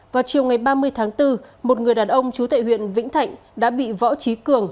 vào chiều ngày ba mươi tháng bốn một người đàn ông chú tệ huyện vĩnh thạnh đã bị võ trí cường